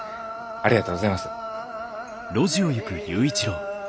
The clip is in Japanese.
ありがとうございます。